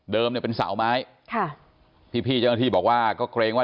เดิมเนี่ยเป็นเสาไม้พี่เจ้าหน้าที่บอกว่าก็เกรงว่า